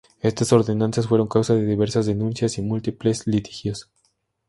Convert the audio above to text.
Estas ordenanzas fueron causa de diversas denuncias y múltiples litigios.